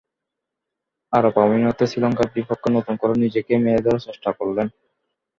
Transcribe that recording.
আরব আমিরাতে শ্রীলঙ্কার বিপক্ষে নতুন করে নিজেকে মেলে ধরার চেষ্টা করলেন।